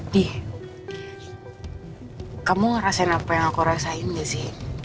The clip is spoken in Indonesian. dih kamu ngerasain apa yang aku rasain gak sih